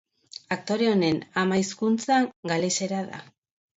Aktore honen ama hizkuntza galesera da.